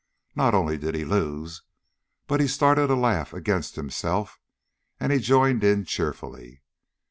Not only did he lose, but he started a laugh against himself, and he joined in cheerfully.